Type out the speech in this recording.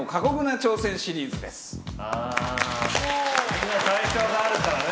みんな最初があるからね